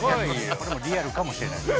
これでもリアルかもしれない。